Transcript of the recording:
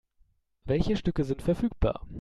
Welche Stücke sind verfügbar?